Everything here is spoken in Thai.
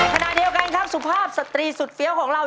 ขณะเดียวกันครับสุภาพสตรีสุดเฟี้ยวของเรา